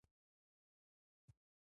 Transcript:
دغه پنځه ویشت میلیونه افغانۍ اضافي ارزښت دی